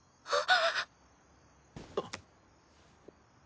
あっ。